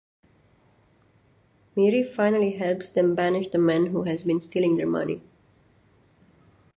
Miri finally helps them banish the man who has been stealing their money.